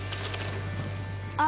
あっ。